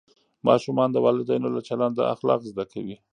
ماشومان د والدینو له چلنده اخلاق زده کوي.